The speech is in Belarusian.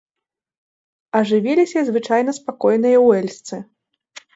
Ажывіліся і звычайна спакойныя уэльсцы.